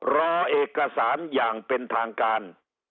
รอเอกสารอย่างเป็นทางการ